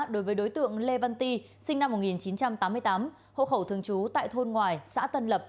đối với đối tượng lê văn ti sinh năm một nghìn chín trăm tám mươi tám hộ khẩu thường trú tại thôn ngoài xã tân lập